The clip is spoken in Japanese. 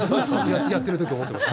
やってるとき、思ってました。